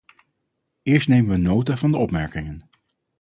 Eerst nemen we nota van de opmerkingen.